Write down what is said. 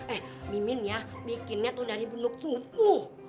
eh mimin ya bikinnya tuh dari benuk sumpuh